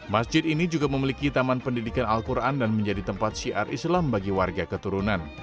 masjid ini juga memiliki taman pendidikan al quran dan menjadi tempat syiar islam bagi warga keturunan